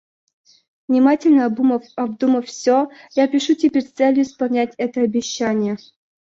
Внимательно обдумав всё, я пишу теперь с целью исполнить это обещание.